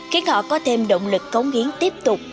khiến họ có thêm động lực cống hiến tiếp tục